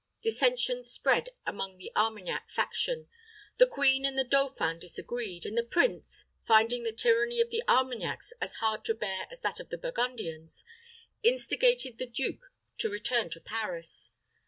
Dissensions spread among the Armagnac faction. The queen and the dauphin disagreed; and the prince, finding the tyranny of the Armagnacs as hard to bear as that of the Burgundians, instigated the duke to return to Paris.